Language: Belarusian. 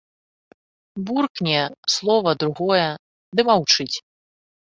Буркне слова, другое ды маўчыць.